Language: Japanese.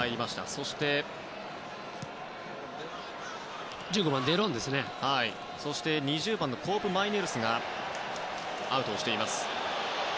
そして、２０番のコープマイネルスがアウトしています。